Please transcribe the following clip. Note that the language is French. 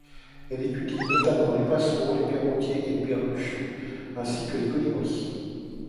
Il étudie notamment les passereaux, les perroquets et perruches ainsi que les colibris.